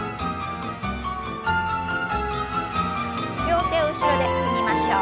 両手を後ろで組みましょう。